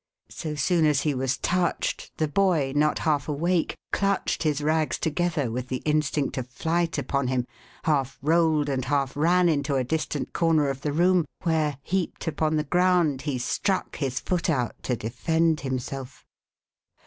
So soon as he was touched, the boy, not half awake, clutched his rags together with the instinct of flight upon him, half rolled and half ran 478 THE HAUNTED MAN. into a distant corner of the room, where, heaped upon the ground, he struck his foot out to defend himself.